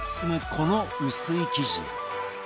この薄い生地